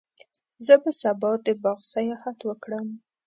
زه به سبا د باغ سیاحت وکړم.